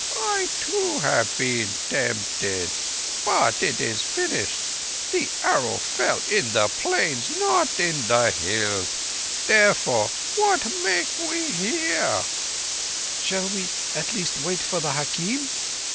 I too have been tempted, but it is finished. The Arrow fell in the Plains—not in the Hills. Therefore, what make we here?" "Shall we at least wait for the _hakim?